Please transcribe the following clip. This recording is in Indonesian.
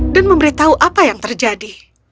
dan memberitahu apa yang terjadi